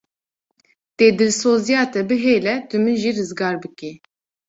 Dê dilzosiya te bihêle tu min jî rizgar bikî.